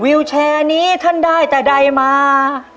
วิวแชร์นี้ท่านได้แต่ใดมา